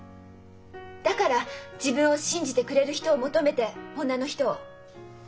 だから自分を信じてくれる人を求めて女の人を。